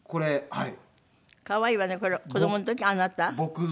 はい。